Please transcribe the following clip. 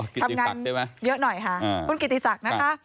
ทำงานเยอะหน่อยค่ะคุณกิติศักดิ์นะคะ